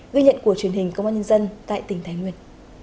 ghi nhận của truyền hình công an nhân dân tại tỉnh thái nguyên